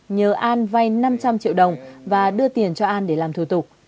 nhờ an vay năm trăm linh triệu đồng và đưa tiền cho an để làm thủ tục